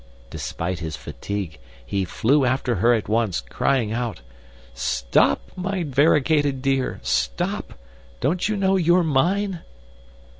Despite his fatigue, he flew after her at once, crying out: "Stop, my variegated dear stop! Don't you know you're mine?"